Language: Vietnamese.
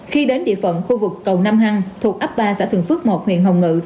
khi đến địa phận khu vực cầu nam hăng thuộc ấp ba xã thường phước một huyện hồng ngự